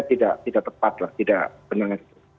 tidak tepat lah tidak benar